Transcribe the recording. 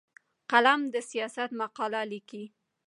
قلم د سیاست مقاله لیکي